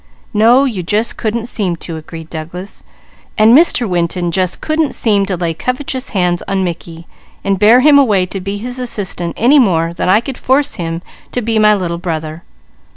"No, you 'just couldn't seem to,'" agreed Douglas. "And Mr. Winton 'just couldn't seem to' lay covetous hands on Mickey, and bear him away to be his assistant any more than I could force him to be my Little Brother.